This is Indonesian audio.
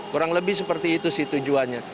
kurang lebih seperti itu sih tujuannya